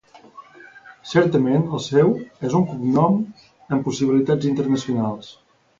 Certament el seu és un cognom amb possibilitats internacionals.